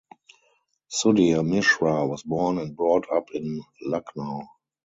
Sudhir Mishra was born and brought up in Lucknow.